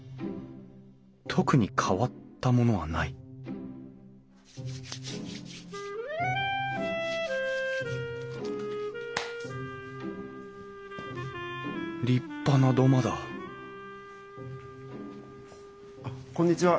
特に変わったものはない立派な土間だこんにちは。